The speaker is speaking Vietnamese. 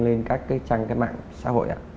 lên các trang mạng xã hội